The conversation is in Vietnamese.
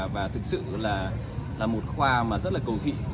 và thực sự là một khoa mà rất là cầu thị